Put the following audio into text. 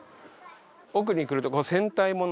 奥に来ると。